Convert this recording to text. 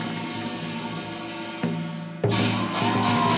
เสาคำยันอาหาสมุทรอาวุธิ